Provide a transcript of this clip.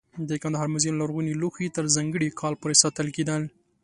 د کندهار موزیم لرغوني لوښي تر ځانګړي کال پورې ساتل کېدل.